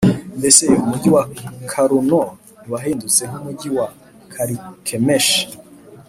Mbese ye, umugi wa Kaluno ntiwahindutse nk’umugi wa Karikemishi,